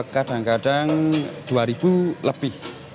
kadang kadang dua ribu lebih